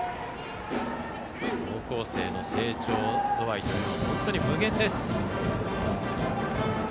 高校生の成長というのは本当に無限です。